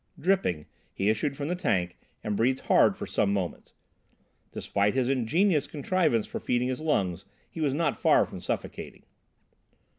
Dripping, he issued from the tank and breathed hard for some moments. Despite his ingenious contrivance for feeding his lungs he was not far from suffocating.